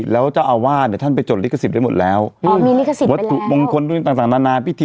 แล้วเจ้าอาวาสเนี่ยท่านไปจดลิขสิทธิ์ไปหมดแล้วอ๋อมีลิขสิทธิ์ไป